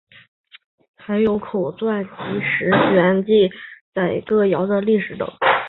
还有口传集十卷记载歌谣的历史等。